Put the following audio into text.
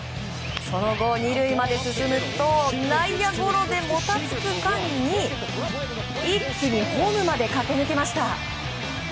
その後２塁まで進むと内野ゴロでもたつく間に、一気にホームまで駆け抜けました。